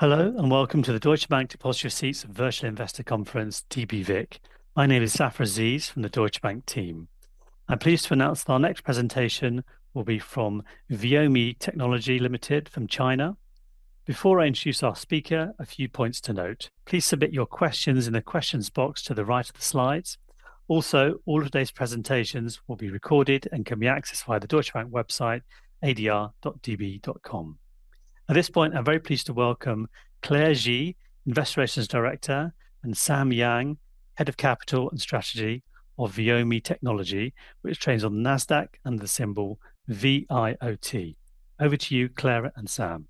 Hello, and welcome to the Deutsche Bank Depositary Receipts Virtual Investor Conference, dbVIC. My name is Zafra Aziz from the Deutsche Bank team. I'm pleased to announce that our next presentation will be from Viomi Technology Limited from China. Before I introduce our speaker, a few points to note. Please submit your questions in the questions box to the right of the slides. Also, all of today's presentations will be recorded and can be accessed via the Deutsche Bank website, adr.db.com. At this point, I'm very pleased to welcome Claire Ji, Investor Relations Director, and Sam Yang, Head of Capital and Strategy of Viomi Technology, which trades on NASDAQ under the symbol VIOT. Over to you, Claire and Sam.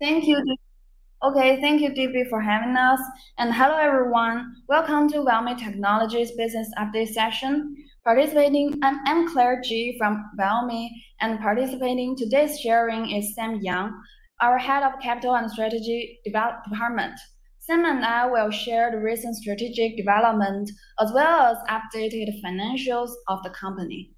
Thank you. Okay, thank you, DB, for having us. And hello, everyone. Welcome to Viomi Technology Business Update Session. Participating, I'm Claire Ji from Viomi, and participating today's sharing is Sam Yang, our Head of Capital and Strategy Development Department. Sam and I will share the recent strategic development, as well as updated financials of the company.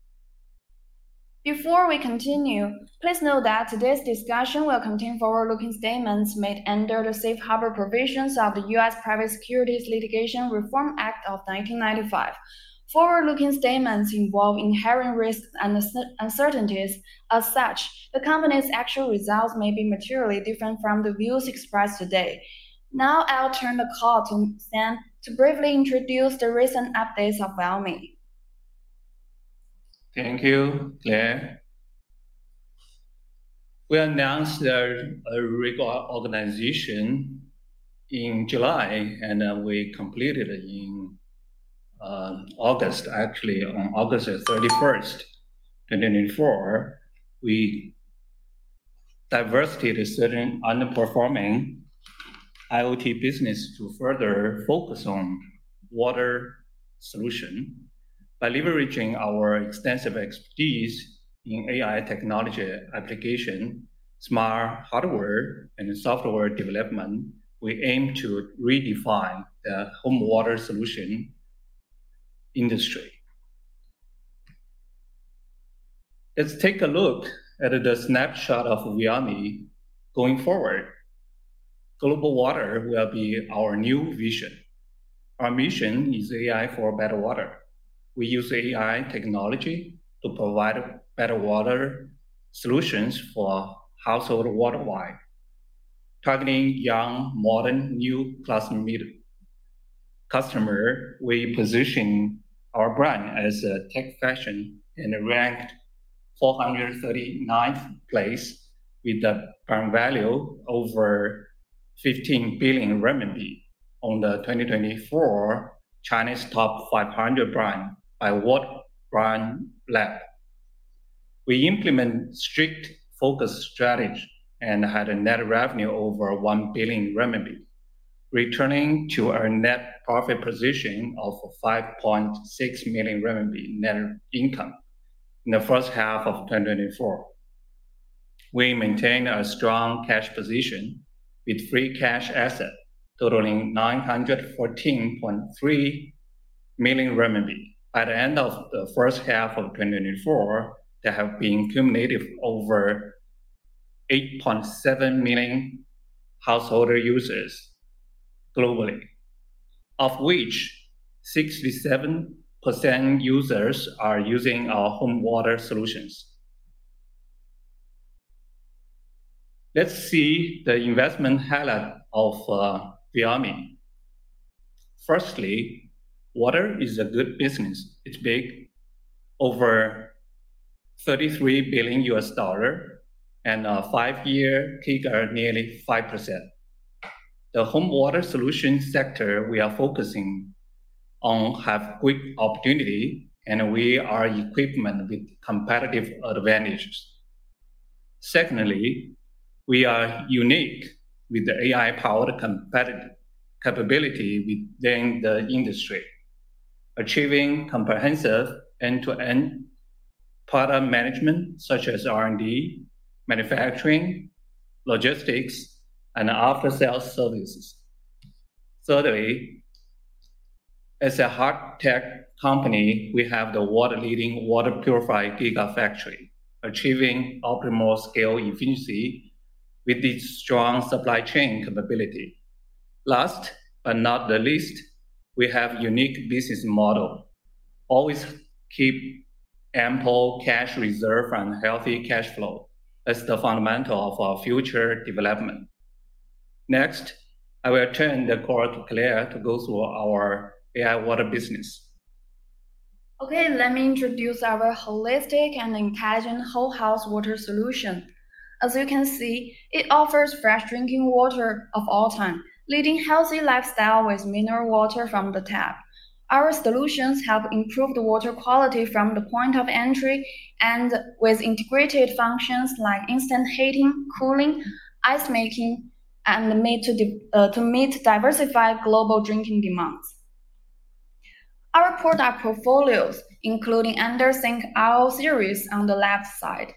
Before we continue, please note that today's discussion will contain forward-looking statements made under the Safe Harbor provisions of the US Private Securities Litigation Reform Act of 1995 . Forward-looking statements involve inherent risks and uncertainties. As such, the company's actual results may be materially different from the views expressed today. Now, I'll turn the call to Sam to briefly introduce the recent updates of Viomi. Thank you, Claire. We announced a reorg organization in July, and then we completed it in August, actually, on August the thirty-first, 2024. We divested certain underperforming IoT business to further focus on water solution. By leveraging our extensive expertise in AI technology application, smart hardware, and software development, we aim to redefine the home water solution industry. Let's take a look at the snapshot of Viomi going forward. Global Water will be our new vision. Our mission is AI for better water. We use AI technology to provide better water solutions for household worldwide. Targeting young, modern, new class middle-class customer, we position our brand as a tech fashion, and ranked 439th place with a brand value over 15 billion RMB on the 2024 Chinese top 500 brand by World Brand Lab. We implement strict focus strategy and had a net revenue over 1 billion renminbi, returning to our net profit position of 5.6 million renminbi net income in the first half of twenty twenty-four. We maintain a strong cash position with free cash asset totaling 914.3 million RMB. At the end of the first half of twenty twenty-four, there have been cumulative over 8.7 million household users globally, of which 67% users are using our home water solutions. Let's see the investment highlight of Viomi. Firstly, water is a good business. It's big, over $33 billion, and a five-year CAGR nearly 5%. The home water solution sector we are focusing on have great opportunity, and we are equipped with competitive advantages. Secondly, we are unique with the AI-powered competitive capability within the industry, achieving comprehensive end-to-end product management, such as R&D, manufacturing, logistics, and after-sales services. Thirdly, as a hard tech company, we have the world leading Water Purifier Gigafactory, achieving optimal scale efficiency with its strong supply chain capability. Last, but not the least, we have unique business model. Always keep ample cash reserve and healthy cash flow. That's the fundamental of our future development. Next, I will turn the call to Claire to go through our AI water business. Okay, let me introduce our holistic and intelligent whole house water solution. As you can see, it offers fresh drinking water at all times, leading healthy lifestyle with mineral water from the tap. Our solutions help improve the water quality from the point of entry, and with integrated functions like instant heating, cooling, ice making, and made to meet diversified global drinking demands. Our product portfolios, including Under Sink RO series on the left side,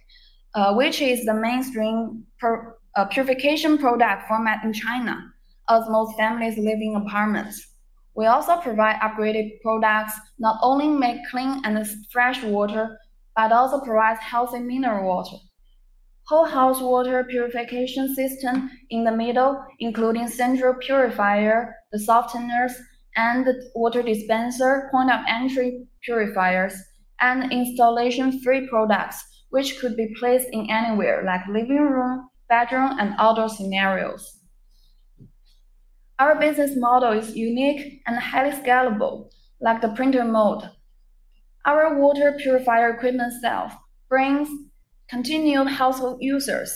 which is the mainstream purification product format in China, as most families live in apartments. We also provide upgraded products, not only make clean and fresh water, but also provides healthy mineral water. Whole house water purification system in the middle, including central purifier, the softeners, and the water dispenser, point of entry purifiers, and installation-free products, which could be placed anywhere, like living room, bedroom, and outdoor scenarios. Our business model is unique and highly scalable, like the printer model. Our water purifier equipment sales brings continued household users.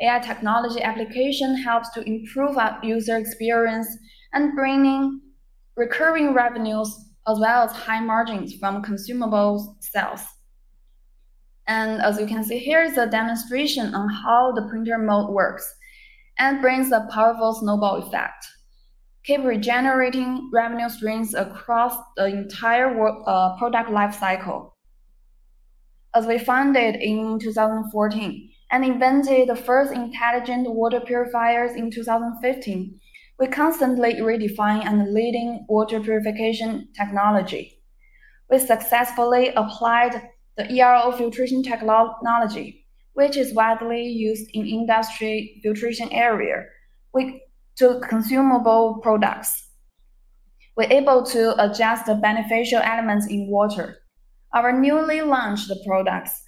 AI technology application helps to improve our user experience and bringing recurring revenues, as well as high margins from consumables sales. And as you can see, here is a demonstration on how the printer model works and brings a powerful snowball effect, keeping regenerating revenue streams across the entire whole product life cycle. As we founded in two thousand and fourteen, and invented the first intelligent water purifiers in two thousand and fifteen, we constantly redefine and leading water purification technology. We successfully applied the ERO filtration technology, which is widely used in industry filtration area, with our consumable products. We're able to adjust the beneficial elements in water. Our newly launched products,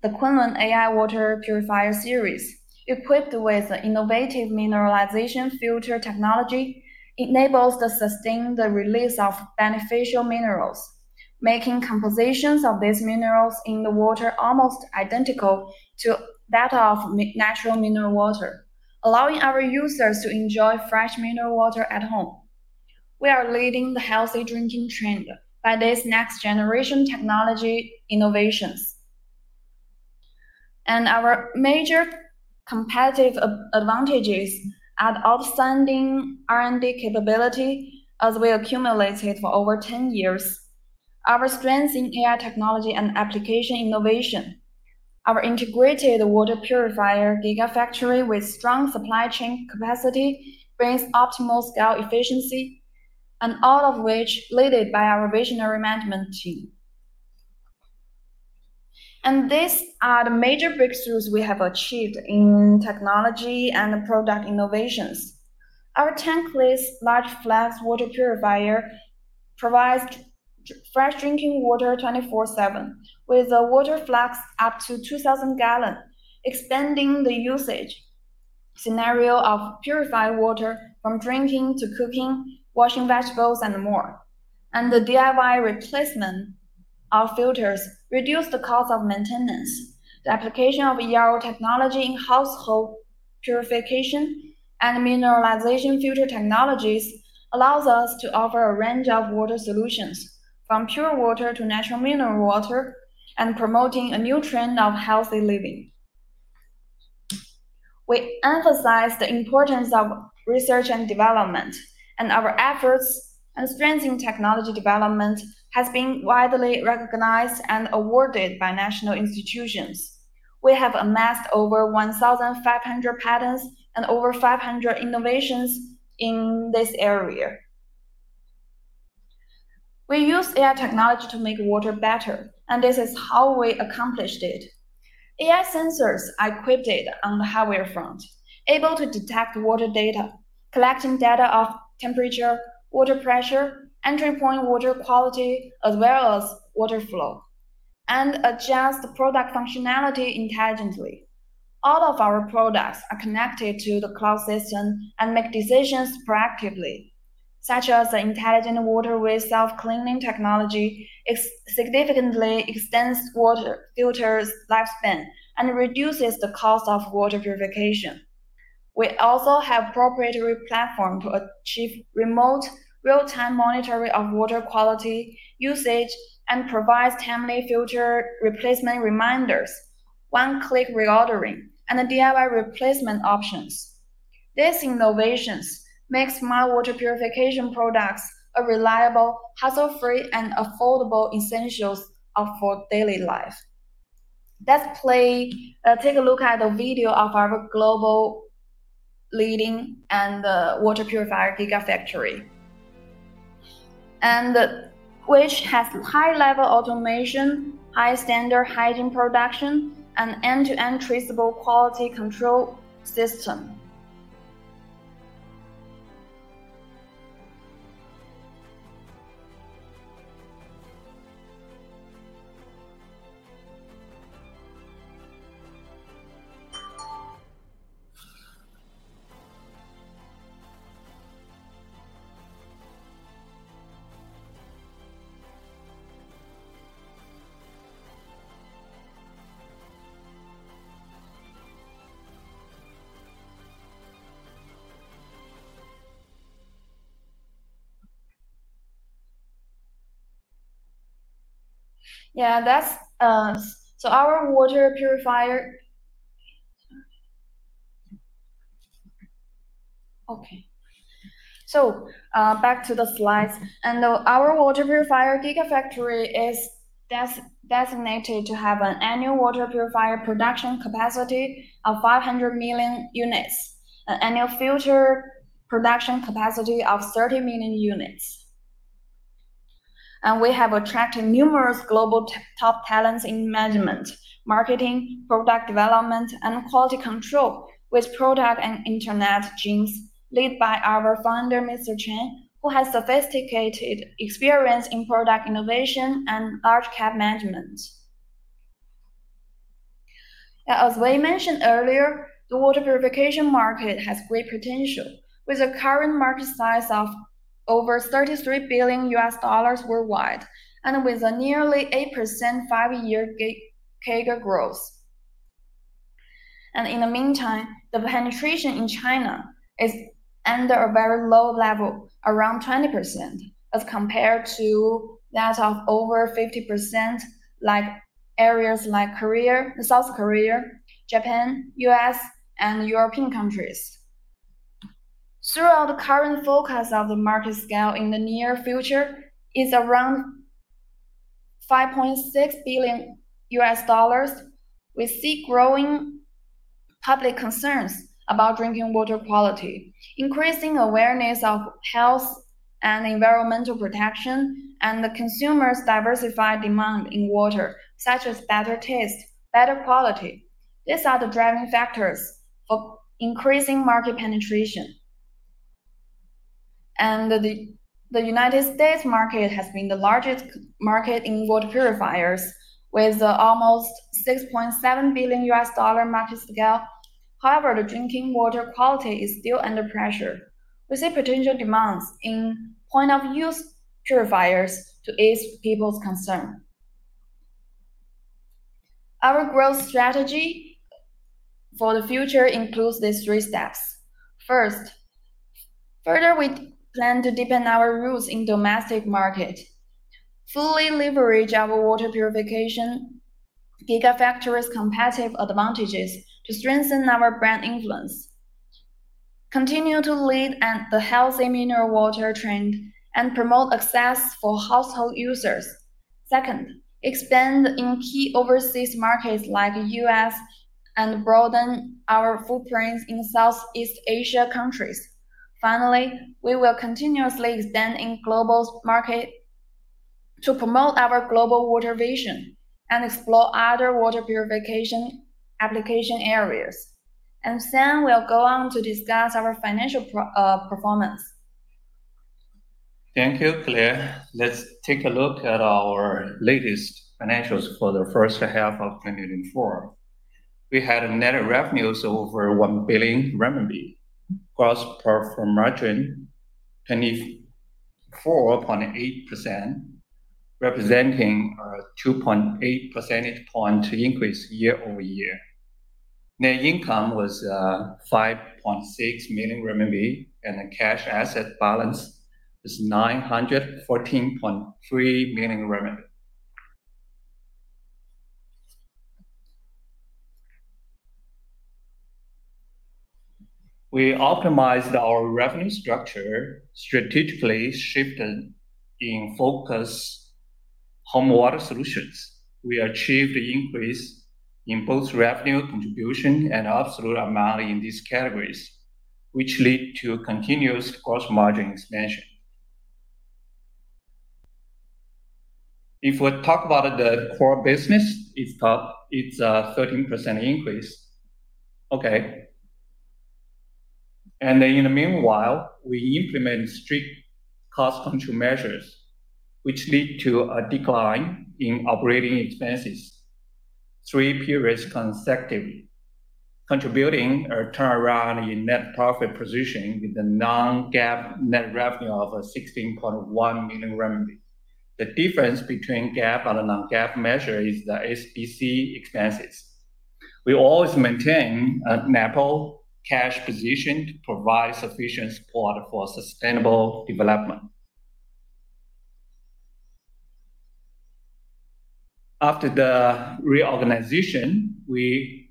the Kunlun AI Water Purifier series, equipped with an innovative mineralization filter technology, enables the sustained release of beneficial minerals, making compositions of these minerals in the water almost identical to that of natural mineral water, allowing our users to enjoy fresh mineral water at home. We are leading the healthy drinking trend by this next generation technology innovations. Our major competitive advantages are the outstanding R&D capability, as we accumulated for over ten years, our strengths in AI technology and application innovation, our integrated water purifier Gigafactory with strong supply chain capacity brings optimal scale efficiency, and all of which led by our visionary management team. These are the major breakthroughs we have achieved in technology and product innovations. Our tankless large flux water purifier provides pure fresh drinking water twenty-four seven, with a water flux up to 2,000 gallons, expanding the usage scenario of purified water from drinking to cooking, washing vegetables, and more. The DIY replacement of filters reduce the cost of maintenance. The application of ERO technology in household purification and mineralization filter technologies allows us to offer a range of water solutions, from pure water to natural mineral water, and promoting a new trend of healthy living. We emphasize the importance of research and development, and our efforts and strength in technology development has been widely recognized and awarded by national institutions. We have amassed over 1,500 patents and over 500 innovations in this area. We use AI technology to make water better, and this is how we accomplished it. AI sensors are equipped on the hardware front, able to detect water data, collecting data of temperature, water pressure, entry point water quality, as well as water flow, and adjust the product functionality intelligently. All of our products are connected to the cloud system and make decisions proactively, such as the intelligent water with self-cleaning technology, significantly extends water filter's lifespan and reduces the cost of water purification. We also have proprietary platform to achieve remote real-time monitoring of water quality, usage, and provides timely filter replacement reminders, one-click reordering, and a DIY replacement options. These innovations makes my water purification products a reliable, hassle-free, and affordable essentials of our daily life. Let's play, take a look at the video of our globally leading water purifier gigafactory, and which has high-level automation, high-standard hygiene production, and end-to-end traceable quality control system. So back to the slides. Our water purifier gigafactory is designated to have an annual water purifier production capacity of 500 million units, an annual filter production capacity of 30 million units. We have attracted numerous global top talents in management, marketing, product development, and quality control, with product and internet genes led by our founder, Mr. Chen, who has sophisticated experience in product innovation and large-scale management. As we mentioned earlier, the water purification market has great potential, with a current market size of over $33 billion worldwide, and with a nearly 8% five-year CAGR growth. In the meantime, the penetration in China is under a very low level, around 20%, as compared to that of over 50%, like areas like Korea, South Korea, Japan, U.S., and European countries. The current forecast of the market scale in the near future is around $5.6 billion. We see growing public concerns about drinking water quality, increasing awareness of health and environmental protection, and the consumer's diversified demand in water, such as better taste, better quality. These are the driving factors for increasing market penetration. The United States market has been the largest market in water purifiers, with almost $6.7 billion market scale. However, the drinking water quality is still under pressure. We see potential demands in point of use purifiers to ease people's concern. Our growth strategy for the future includes these three steps. First, further, we plan to deepen our roots in domestic market, fully leverage our water purification Gigafactory's competitive advantages to strengthen our brand influence, continue to lead at the healthy mineral water trend, and promote access for household users. Second, expand in key overseas markets like U.S., and broaden our footprints in Southeast Asia countries. Finally, we will continuously expand in global market to promote our global water vision and explore other water purification application areas. And Sam will go on to discuss our financial performance. Thank you, Claire. Let's take a look at our latest financials for the first half of twenty twenty-four. We had net revenues over 1 billion RMB. Gross profit margin, 24.8%, representing a 2.8 percentage point increase year over year. Net income was five point six million RMB, and the cash asset balance is 914.3 million RMB. We optimized our revenue structure, strategically shifted in focus home water solutions. We achieved an increase in both revenue contribution and absolute amount in these categories, which lead to continuous gross margin expansion. If we talk about the core business, it's up, it's a 13% increase. Okay. In the meanwhile, we implemented strict cost control measures, which led to a decline in operating expenses three periods consecutively, contributing a turnaround in net profit position with a non-GAAP net revenue of 16.1 million RMB. The difference between GAAP and a non-GAAP measure is the SBC expenses. We always maintain an ample cash position to provide sufficient support for sustainable development. After the reorganization, we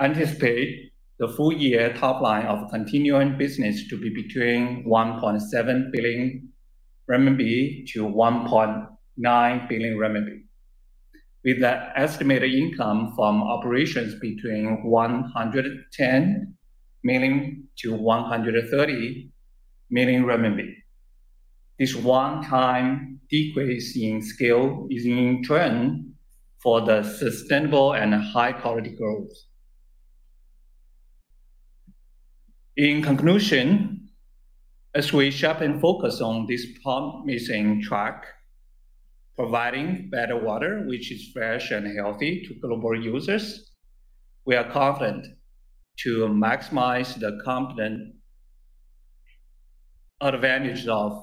anticipate the full year top line of continuing business to be between 1.7 billion RMB to 1.9 billion RMB, with an estimated income from operations between 110 million to 130 million RMB. This one-time decrease in scale is in trend for the sustainable and high quality growth. In conclusion, as we sharpen focus on this promising track, providing better water, which is fresh and healthy to global users, we are confident to maximize the competitive advantages of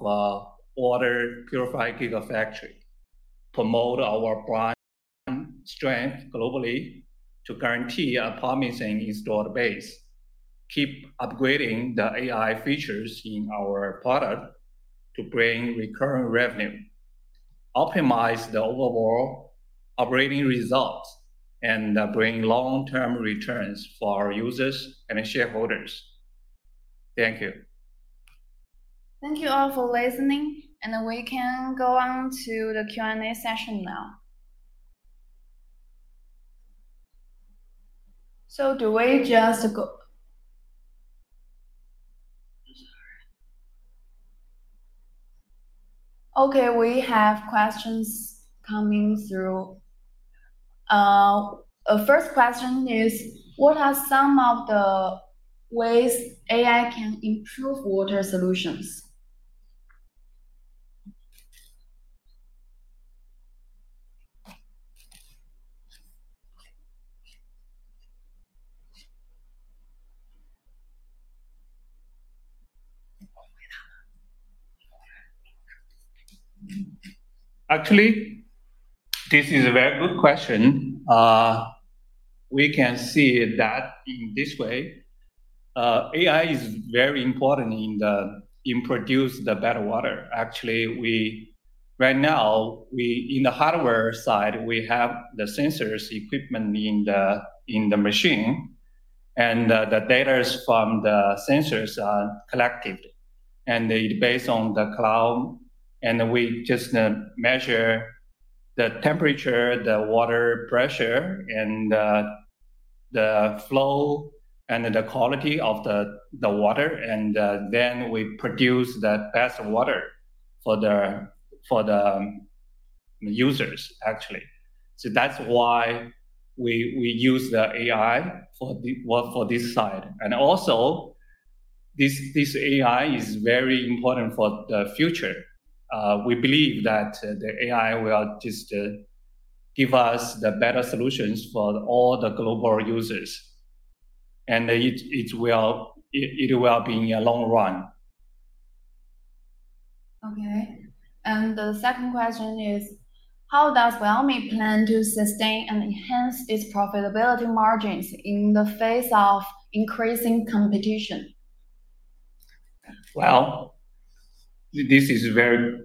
water purifier Gigafactory, promote our brand strength globally to guarantee a promising installed base, keep upgrading the AI features in our product to bring recurring revenue, optimize the overall operating results, and bring long-term returns for our users and shareholders. Thank you. Thank you all for listening, and we can go on to the Q&A session now. I'm sorry. Okay, we have questions coming through. Our first question is: What are some of the ways AI can improve water solutions? Actually, this is a very good question. We can see that in this way, AI is very important in producing the better water. Actually, right now, in the hardware side, we have the sensor equipment in the machine, and the data from the sensors is collected, and it's based on the cloud, and we just measure the temperature, the water pressure, and the flow, and the quality of the water, and then we produce the best water for the users, actually, so that's why we use the AI for this side, and also this AI is very important for the future. We believe that the AI will just give us the better solutions for all the global users, and it will be in the long run. Okay. And the second question is: How does Viomi plan to sustain and enhance its profitability margins in the face of increasing competition? This is a very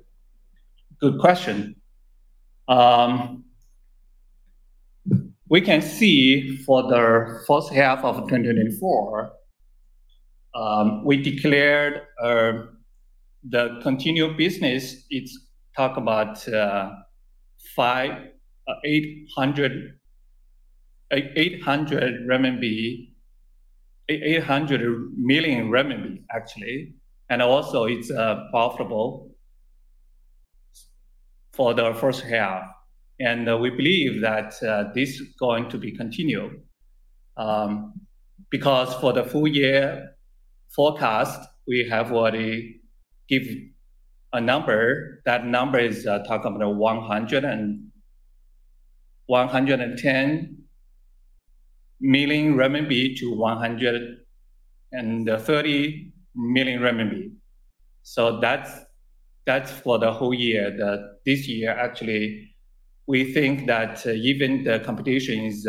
good question. We can see for the first half of twenty twenty-four, we declared the continued business. It's talk about 800 million RMB, actually, and also it's profitable for the first half. And we believe that this is going to be continued. Because for the full year forecast, we have already give a number. That number is talk about 110 million renminbi to 130 million renminbi. So that's for the whole year, that this year, actually. We think that even the competition is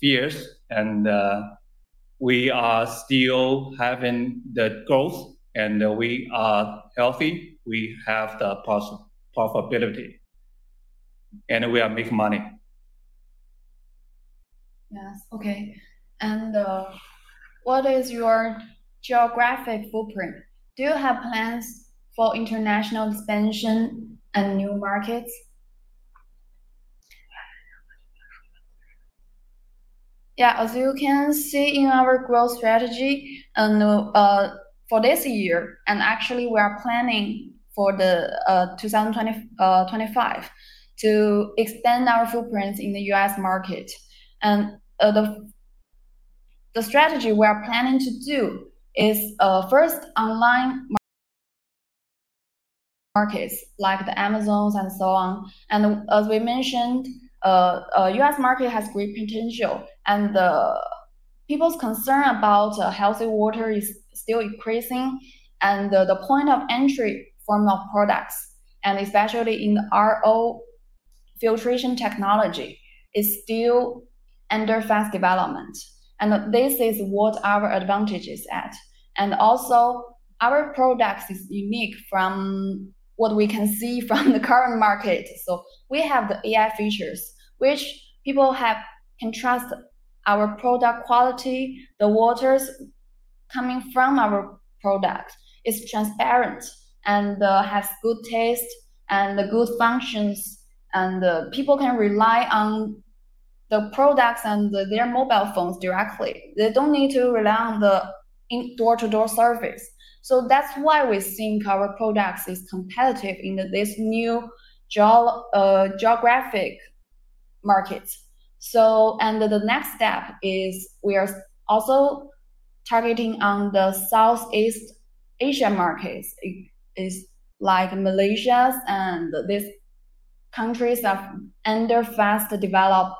fierce and we are still having the growth, and we are healthy. We have the profitability, and we are making money. Yes. Okay. And, what is your geographic footprint? Do you have plans for international expansion and new markets? Yeah, as you can see in our growth strategy, and, for this year, and actually we are planning for the, two thousand twenty, twenty-five, to extend our footprint in the US market. And, the strategy we are planning to do is, first online markets like the Amazon's and so on. And as we mentioned, US market has great potential, and the people's concern about, healthy water is still increasing, and the point of entry from our products, and especially in the RO filtration technology, is still under fast development. And this is what our advantage is at. And also, our products is unique from what we can see from the current market. So we have the AI features, which people have... can trust our product quality, the water coming from our product is transparent and has good taste and the good functions, and the people can rely on the products and their mobile phones directly. They don't need to rely on the door-to-door service. That's why we think our products is competitive in this new geographic market. And the next step is we are also targeting on the Southeast Asia markets. It is like Malaysia and these countries that under fast develop.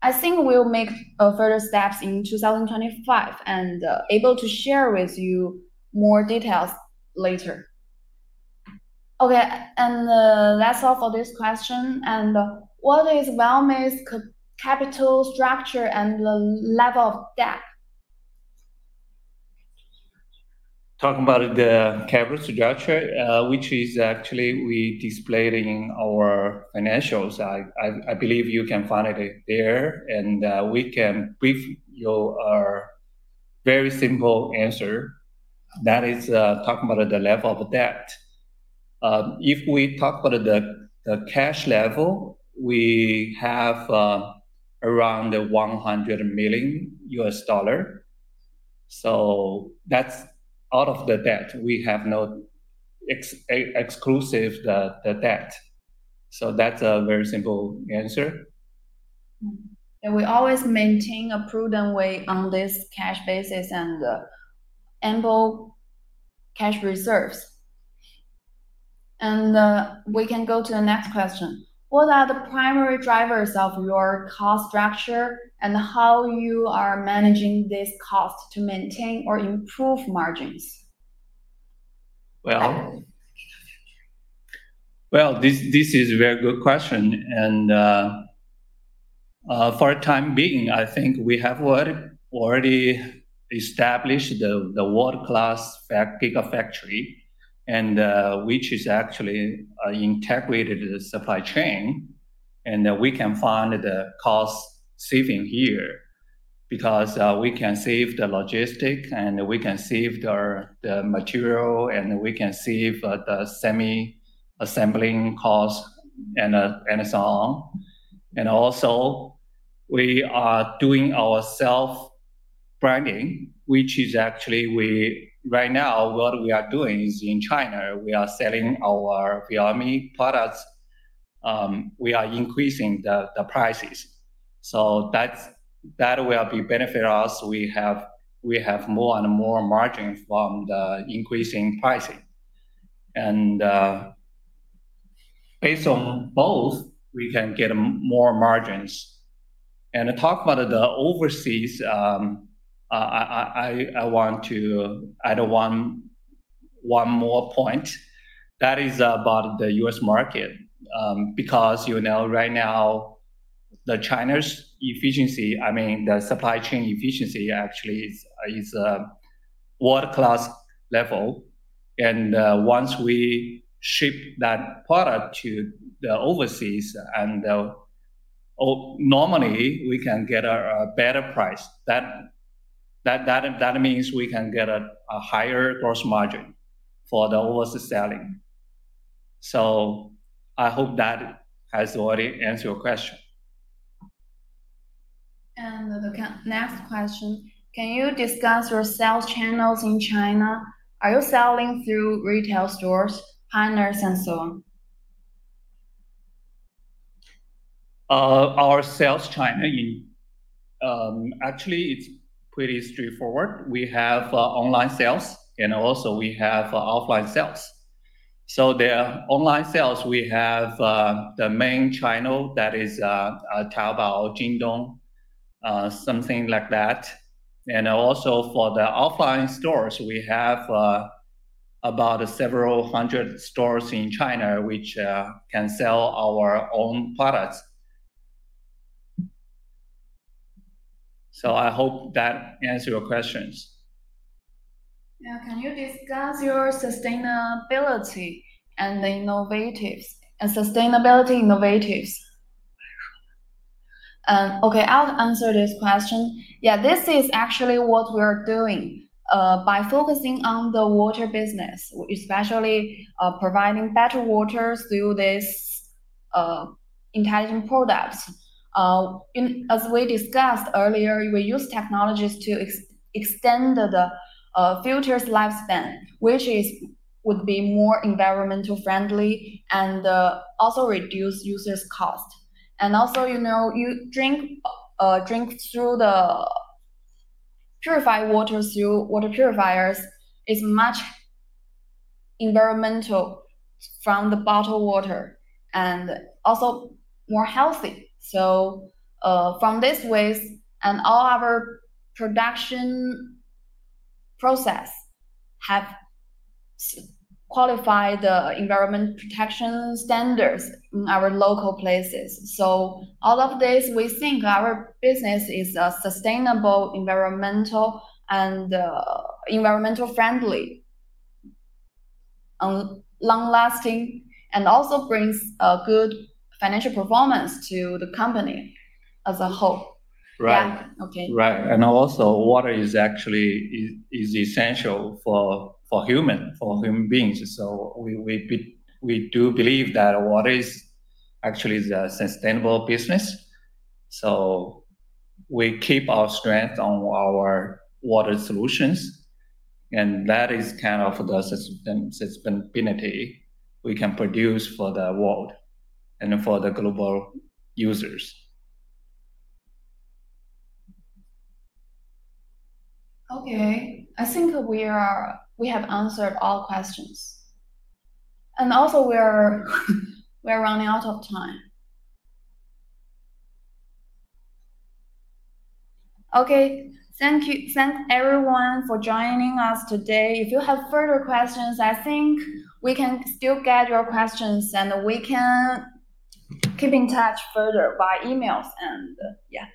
I think we'll make further steps in 2025, and able to share with you more details later. Okay, and that's all for this question. And what is Viomi's capital structure and the level of debt? Talking about the capital structure, which is actually we displayed in our financials. I believe you can find it there, and we can brief you our very simple answer. That is, talking about the level of debt. If we talk about the cash level, we have around $100 million. So that's out of the debt. We have no excessive debt. So that's a very simple answer. We always maintain a prudent way on this cash basis and ample cash reserves. We can go to the next question: What are the primary drivers of your cost structure, and how you are managing this cost to maintain or improve margins? This is a very good question, and for the time being, I think we have already established the world-class Gigafactory, which is actually an integrated supply chain, and we can find the cost saving here. Because we can save the logistics, and we can save the material, and we can save the semi-assembling cost, and so on. We are doing our self-branding, which is actually we. Right now, what we are doing is in China, we are selling our Viomi products. We are increasing the prices, so that will benefit us. We have more and more margins from the increasing pricing. Based on both, we can get more margins. And to talk about the overseas, I want to add one more point. That is about the US market, because, you know, right now, China's efficiency, I mean, the supply chain efficiency actually is a world-class level. And once we ship that product to the overseas and normally, we can get a better price. That means we can get a higher gross margin for the overseas selling. So I hope that has already answered your question. Next question: Can you discuss your sales channels in China? Are you selling through retail stores, partners, and so on? Our sales in China, actually, it's pretty straightforward. We have online sales, and also we have offline sales. So the online sales, we have the main channel that is Taobao, Jingdong, something like that. And also for the offline stores, we have about several hundred stores in China, which can sell our own products. So I hope that answer your questions. Yeah. Can you discuss your sustainability and the innovations... and sustainability innovations? Okay, I'll answer this question. Yeah, this is actually what we're doing. By focusing on the water business, especially, providing better water through this, intelligent products. As we discussed earlier, we use technologies to extend the filters' lifespan, which would be more environmental friendly and also reduce users' cost. And also, you know, you drink through the purified waters, through water purifiers, is much environmental from the bottled water and also more healthy. So, from these ways, and all our production process have qualified the environment protection standards in our local places. So all of this, we think our business is a sustainable, environmental, and environmental friendly, long-lasting, and also brings a good financial performance to the company as a whole. Right. Yeah. Okay. Right. And also, water is actually essential for human beings. So we do believe that water is actually the sustainable business, so we keep our strength on our water solutions, and that is kind of the sustainability we can produce for the world and for the global users. Okay. I think we are, we have answered all questions, and also we are, we are running out of time. Okay, thank you. Thanks, everyone, for joining us today. If you have further questions, I think we can still get your questions, and we can keep in touch further by emails, and yeah.